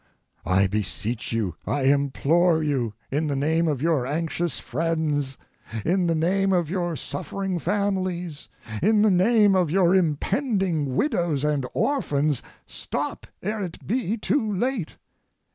I beseech you, I implore you, in the name of your anxious friends, in the name of your suffering families, in the name of your impending widows and orphans, stop ere it be too late.